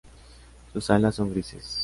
Sus alas son grises.